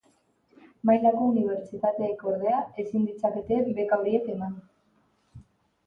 Mailako unibertsitateek, ordea, ezin ditzakete beka horiek eman.